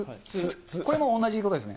これも同じことですね。